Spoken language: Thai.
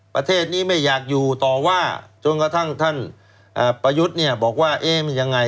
ประเทศนี้ไม่อยากอยู่ต่อว่าจนกระทั่งท่านประยุทธ์เนี่ยบอกว่าเอ๊ะมันยังไง